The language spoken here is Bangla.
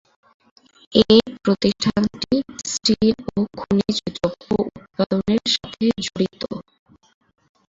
এ প্রতিষ্ঠানটি স্টিল ও খনিজ দ্রব্য উৎপাদনের সাথে জড়িত।